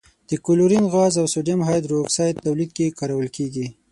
د کلورین غاز او سوډیم هایدرو اکسایډ تولید کې کارول کیږي.